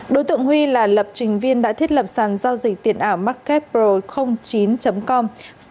đối tượng huy là lập trình viên đã thiết lập sản giao dịch tiền ảo marketpro chín com